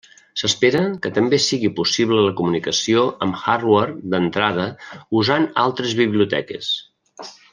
S'espera que també sigui possible la comunicació amb hardware d'entrada usant altres biblioteques.